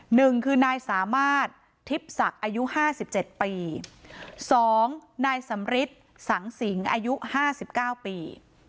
หนึ่งคือนายสามารถทิพย์ศักดิ์อายุห้าสิบเจ็ดปีสองนายสำริทสังสิงอายุห้าสิบเก้าปี